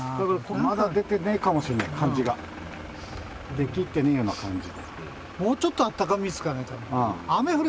出切ってねえような感じ。